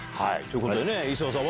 磯田さん